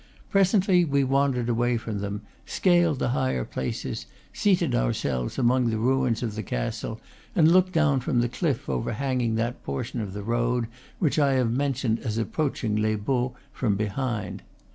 Presently we wandered away from them, scaled the higher places, seated ourselves among the ruins of the castle, and looked down from the cliff overhanging that portion of the road which I have mentioned as approaching Les Baux from behind.